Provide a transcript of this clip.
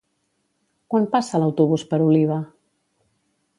Quan passa l'autobús per Oliva?